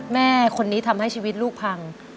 แม่คนนี้ทำให้ชีวิตลูกพัง